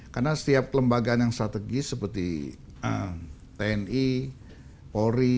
karena setiap lembaga yang strategis seperti tni polri